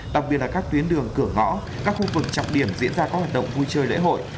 đặc biệt là các tuyến đường cửa ngõ các khu vực trọng điểm diễn ra các hoạt động vui chơi lễ hội